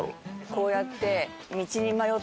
こうやって。